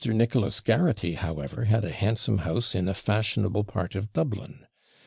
Nicholas Garraghty, however, had a handsome house in a fashionable part of Dublin.